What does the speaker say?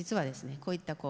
こういったこう。